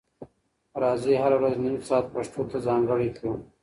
راځئ هره ورځ نیم ساعت پښتو ته ځانګړی کړو.